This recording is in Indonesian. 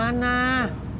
jadi doang dari lo vape